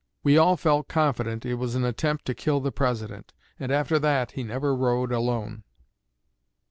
We all felt confident it was an attempt to kill the President, and after that he never rode alone."